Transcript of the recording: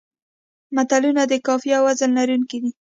متلونه د قافیې او وزن لرونکي دي